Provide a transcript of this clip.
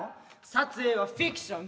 撮影はフィクション。